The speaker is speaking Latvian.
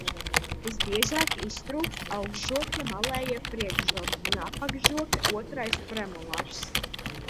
Visbiežāk iztrūkst augšžokļa malējie priekšzobi un apakšžokļa otrais premolars.